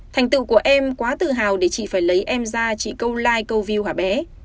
thành tựu của em quá tự hào để chị phải lấy em ra chị câu live câu view hả bé